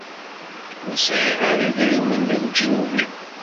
Ur sɛiɣ ara idrimen deg leǧyub-iw.